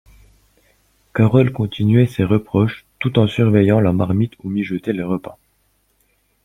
Carole continuait ses reproches tout en surveillant la marmite où mijotait le repas.